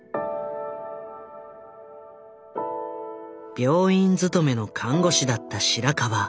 病院勤めの看護師だった白川。